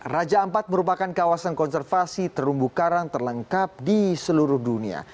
raja ampat merupakan kawasan konservasi terumbu karang terlengkap di seluruh dunia